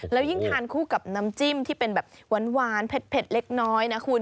แล้วยิ่งทานคู่กับน้ำจิ้มที่เป็นแบบหวานเผ็ดเล็กน้อยนะคุณ